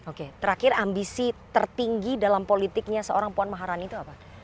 oke terakhir ambisi tertinggi dalam politiknya seorang puan maharani itu apa